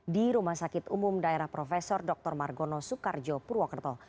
di rumah sakit umum daerah prof dr margono soekarjo purwokerto